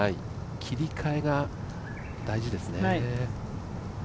切り替えが大事ですね。